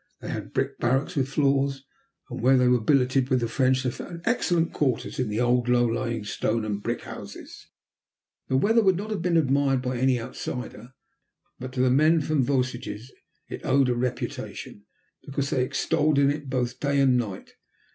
They had brick barracks, with floors, and where they were billeted with the French they found excellent quarters in the old, low lying stone and brick houses. The weather would not have been admired by any outsider. But to the men from the Vosges it owed a reputation, because they extolled it both day and night.